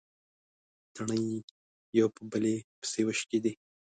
تڼۍ يوه په بلې پسې وشکېدې.